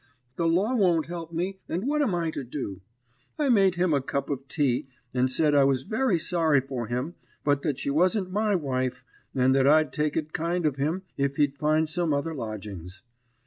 The law won't help me, and what am I to do?' I made him a cup of tea, and said I was very sorry for him, but that she wasn't my wife, and that I'd take it kind of him if he'd find some other lodgings.